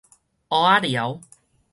蚵仔寮